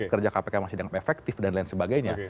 kerja kpk masih efektif dan lain sebagainya